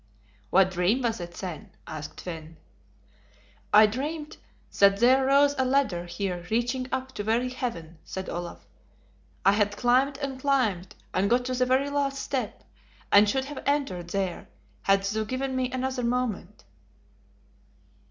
"What dream was it, then?" asked Finn. "I dreamt that there rose a ladder here reaching up to very Heaven," said Olaf; "I had climbed and climbed, and got to the very last step, and should have entered there hadst thou given me another moment."